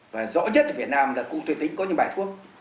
và rõ nhất việt nam là cụ tuệ tĩnh có những bài thuốc